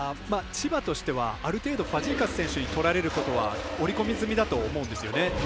千葉としてはある程度ファジーカス選手に取られることは織り込み済みだと思うんですよね。